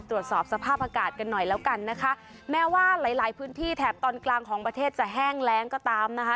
ตรวจสอบสภาพอากาศกันหน่อยแล้วกันนะคะแม้ว่าหลายหลายพื้นที่แถบตอนกลางของประเทศจะแห้งแรงก็ตามนะคะ